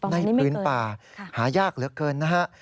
ในพื้นป่าหายากเหลือเกินนะฮะ